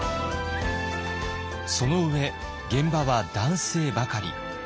その上現場は男性ばかり。